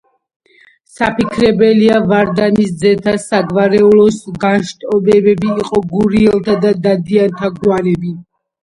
საფიქრებელია, ვარდანისძეთა საგვარეულოს განშტოებები იყო გურიელთა და დადიანთა გვარები.